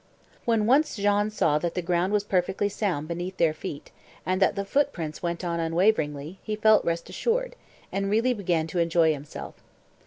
When once Jean saw that the ground was perfectly sound beneath their feet, and that the footprints went on unwaveringly, he felt reassured, and really began to enjoy himself.